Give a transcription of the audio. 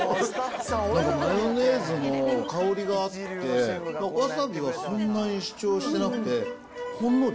マヨネーズの香りがあって、わさびはそんなに主張してなくて、ほんのり。